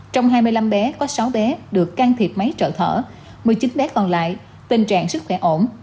trong hai mươi năm bé có sáu bé được can thiệp máy trợ thở một mươi chín bé còn lại tình trạng sức khỏe ổn